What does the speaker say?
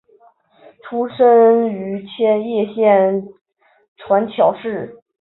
出身于千叶县船桥市。